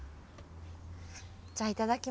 じゃあいただきます。